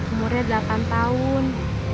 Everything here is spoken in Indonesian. umurnya delapan tahun